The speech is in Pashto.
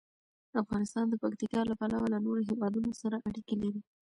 افغانستان د پکتیکا له پلوه له نورو هېوادونو سره اړیکې لري.